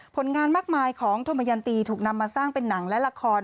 ผลงานมากมายของธมยันตีถูกนำมาสร้างเป็นหนังและละคร